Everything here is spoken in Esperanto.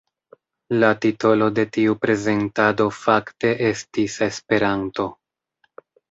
La titolo de tiu prezentado fakte estis ”Esperanto”.